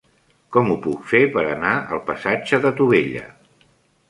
Com ho puc fer per anar al passatge de Tubella?